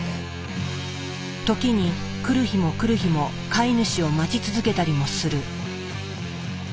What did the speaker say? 時に来る日も来る日も飼い主を待ち続けたりもする。